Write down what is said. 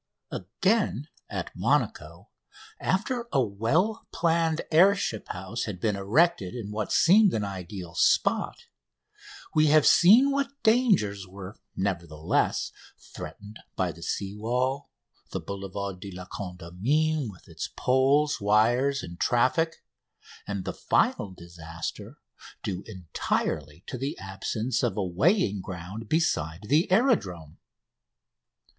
Again, at Monaco, after a well planned air ship house had been erected in what seemed an ideal spot, we have seen what dangers were, nevertheless, threatened by the sea wall, the Boulevard de la Condamine with its poles, wires, and traffic, and the final disaster, due entirely to the absence of a weighing ground beside the aerodrome.